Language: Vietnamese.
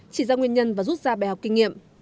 chỉ ra nguyên nhân và rút ra bài học kinh nghiệm